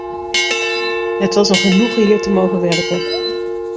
Het was een genoegen hier te mogen werken.